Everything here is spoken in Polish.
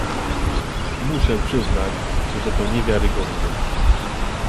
Muszę przyznać, że to niewiarygodne